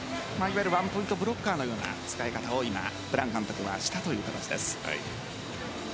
ワンポイントブロッカーのような使い方をブラン監督はしたという形です。